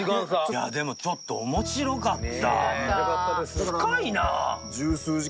いやでもちょっと面白かった。